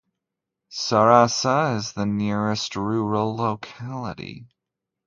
Sarasa is the nearest rural locality.